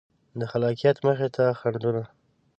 د خلاقیت مخې ته خنډونه